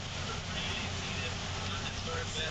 ولې ځايي واردوونکي طبي درمل له ایران څخه واردوي؟